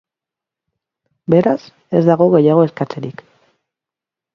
Beraz, ez dago gehiago eskatzerik.